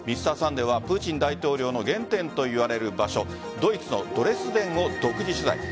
「Ｍｒ．サンデー」はプーチン大統領の原点といわれる場所ドイツのドレスデンを独自取材。